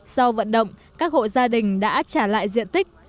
sau vận động các hộ gia đình đã trả lại diện tích